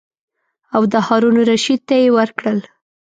او د هارون الرشید ته یې ورکړل.